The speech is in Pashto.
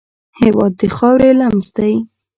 هېواد د خاورې لمس دی.